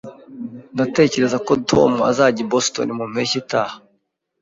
Ndatekereza ko Tom azajya i Boston mu mpeshyi itaha